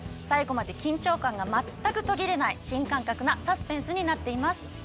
最後まで緊張感が全く途切れない新感覚なサスペンスになっています。